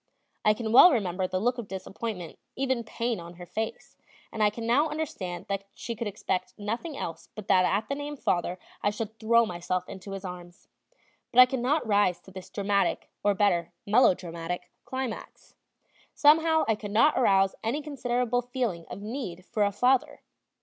I can well remember the look of disappointment, even pain, on her face; and I can now understand that she could expect nothing else but that at the name "father" I should throw myself into his arms. But I could not rise to this dramatic, or, better, melodramatic, climax. Somehow I could not arouse any considerable feeling of need for a father.